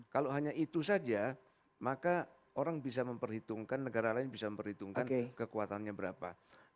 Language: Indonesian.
kalau hanya itu saja maka orang bisa memperhitungkan negara lain bisa memperhitungkan kekuatannya berapa